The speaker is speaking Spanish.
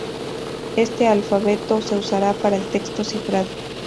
Este alfabeto se usará para el texto cifrado.